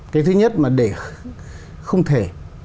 cái thứ nhất mà để không thể